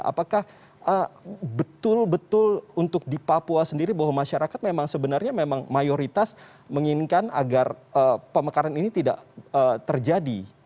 apakah betul betul untuk di papua sendiri bahwa masyarakat memang sebenarnya memang mayoritas menginginkan agar pemekaran ini tidak terjadi